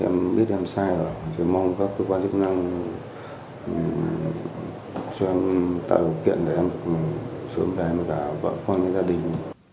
em biết em sai rồi chỉ mong các cơ quan chức năng cho em tạo điều kiện để em sớm đạt em cả vợ con với gia đình